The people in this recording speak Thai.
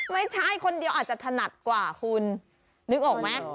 ไม่ใช่คนเดียวอาจจะถนัดกว่าคุณนึกออกไหม